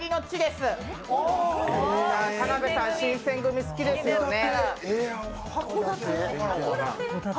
田辺さん、新選組好きですよね。